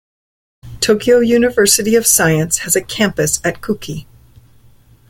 Tokyo University of Science has a campus at Kuki.